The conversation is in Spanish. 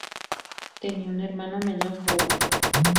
Tenía un hermano menor, Howard.